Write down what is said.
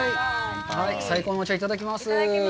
最高のお茶、いただきます。